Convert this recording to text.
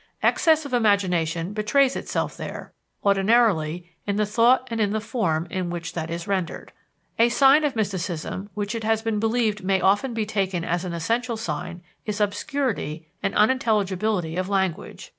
Excess of imagination betrays itself there, ordinarily, in the thought and in the form in which that is rendered.... A sign of mysticism which it has been believed may often be taken as an essential sign, is obscurity and unintelligibility of language.